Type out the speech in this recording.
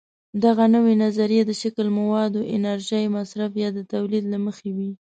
دغه نوې نظریې د شکل، موادو، انرژۍ مصرف یا د تولید له مخې وي.